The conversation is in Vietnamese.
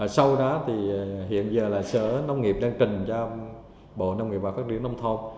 sau đó thì hiện giờ là sở nông nghiệp đang trình cho bộ nông nghiệp và phát triển nông thôn